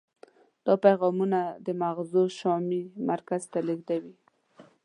دا پیغامونه د مغزو شامعي مرکز ته لیږدوي.